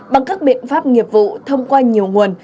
bằng các biện pháp nghiệp vụ thông qua nhiều nguồn